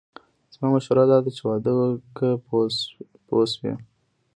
زما مشوره داده چې واده وکړه پوه شوې!.